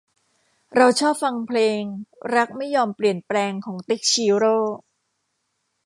เราชอบฟังเพลง รักไม่ยอมเปลี่ยนแปลง ของติ๊ก ชิโร่